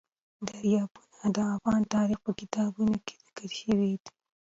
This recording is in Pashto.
دریابونه د افغان تاریخ په کتابونو کې ذکر شوی دي.